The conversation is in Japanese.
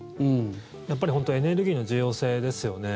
やっぱり本当にエネルギーの重要性ですよね。